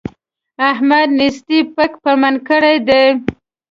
احمد نېستۍ پک پمن کړی دی.